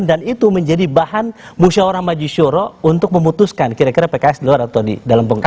dan itu menjadi bahan musyawarah majisoro untuk memutuskan kira kira pks di luar atau di dalam pemerintahan